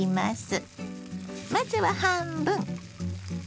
まずは半分。